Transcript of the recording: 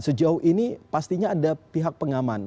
sejauh ini pastinya ada pihak pengaman